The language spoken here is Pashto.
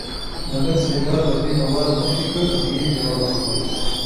ملک سیدلال له دوی نه وار مخکې کړ او یې ځواب ورکړ.